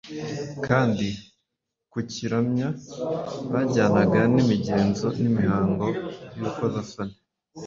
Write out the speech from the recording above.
kandi kukiramya byajyanaga n’imigenzo n’imihango y’urukozasoni.